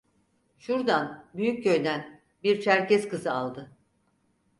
Şurdan, Büyükköy'den bir Çerkez kızı aldı.